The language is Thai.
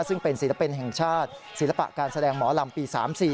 ซึ่งเป็นศิลปินแห่งชาติศิลปะการแสดงหมอลำปี๓๔